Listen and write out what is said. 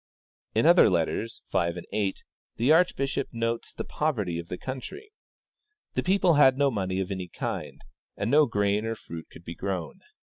" In other letters (letters 5, 8) the archbishop notes the poverty of the country. The people had no money of any kind, and no grain or fruit could be grown.